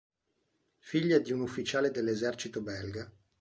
Figlia di un ufficiale dell'esercito belga.